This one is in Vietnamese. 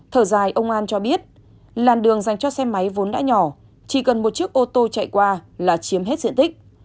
thở dài ông an cho biết làn đường dành cho xe máy vốn đã nhỏ chỉ cần một chiếc ô tô chạy qua là chiếm hết diện tích